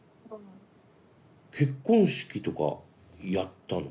結婚式とかやったの？